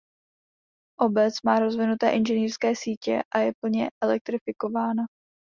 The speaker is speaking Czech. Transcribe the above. Obec má rozvinuté inženýrské sítě a je plně elektrifikována.